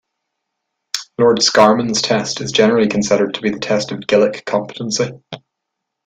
Lord Scarman's test is generally considered to be the test of 'Gillick competency'.